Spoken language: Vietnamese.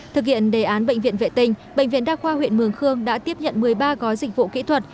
thực hiện đề án bệnh viện vệ tinh bệnh viện đa khoa huyện mường khương đã tiếp nhận một mươi ba gói dịch vụ kỹ thuật